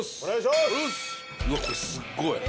うわっこれすっごい。